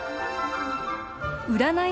占い